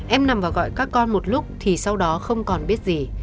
em nằm vào gọi các con một lúc thì sau đó không còn biết gì